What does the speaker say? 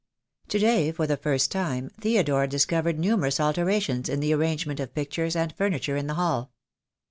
To day, for the first time, Theodore discovered numer ous alterations in the arrangement of pictures and furni ture in the hall.